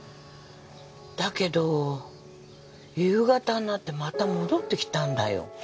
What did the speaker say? だけど夕方になってまた戻ってきたんだよ。